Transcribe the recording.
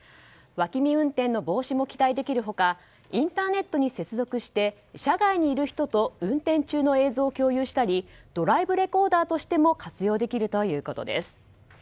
脇見運転の防止も期待できる他インターネットに接続して車外にいる人と運転中の映像を共有したりドライブレコーダーとしても活用できるということです。